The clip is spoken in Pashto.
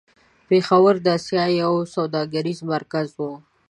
پېښور د آسيا يو سوداګريز مرکز و.